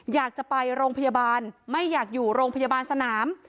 อยากจะไปโรงพยาบาลไม่อยากอยู่โรงพยาบาลสนาม